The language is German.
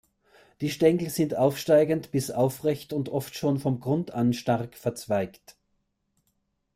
Die Stängel sind aufsteigend bis aufrecht und oft schon vom Grund an stark verzweigt.